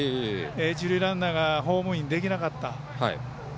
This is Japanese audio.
一塁ランナーがホームインできなかった。